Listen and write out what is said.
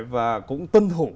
và cũng tân thủ